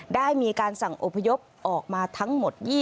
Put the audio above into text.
ได้มีการสั่งอพยพออกมาทั้งหมด